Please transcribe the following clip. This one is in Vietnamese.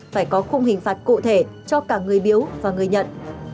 phải có khung hình phạt cụ thể cho cả người biếu và người nhận